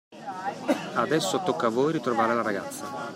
Adesso, tocca a voi ritrovare la ragazza.